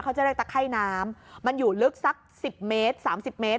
เขาจะเรียกตะไข้น้ำมันอยู่ลึกสัก๑๐เมตร๓๐เมตร